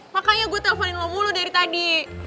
makanya gue telfonin lo mulu dari tadi